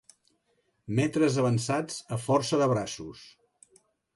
Metres avançats a força de braços.